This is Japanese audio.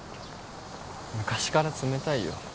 昔から冷たいよ。